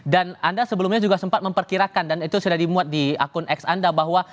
dan anda sebelumnya juga sempat memperkirakan dan itu sudah dimuat di akun x anda bahwa